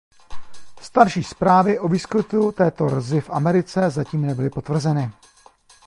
Starší zprávy o výskytu této rzi v Americe zatím nebyly potvrzeny.